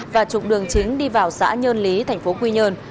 và trục đường chính đi vào xã nhân lý tp quy nhơn